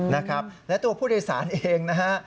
นะครับและตัวผู้โดยสารเองนะฮะ